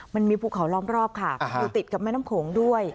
มันมีภูเขาล้อมรอบค่ะอยู่ติดกับแม่น้ำโขงด้วย